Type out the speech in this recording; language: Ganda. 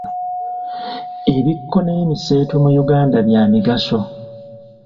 Ebikko n’emiseetwe mu Uganda bya migaso.